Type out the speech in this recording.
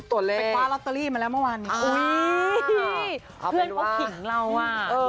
อันนี้เครื่องเผาผิงเราอะ